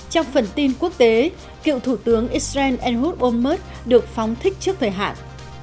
trong phần tin quốc tế cựu thủ tướng israel enhut omer được phóng thích trước thời hạn